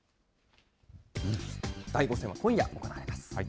第５戦は今夜、行われます。